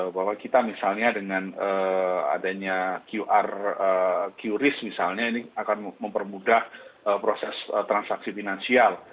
bahwa kita misalnya dengan adanya qr qris misalnya ini akan mempermudah proses transaksi finansial